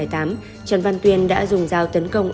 trần văn tuyên đã dùng dao tấn công